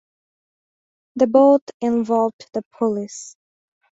They both involved the police.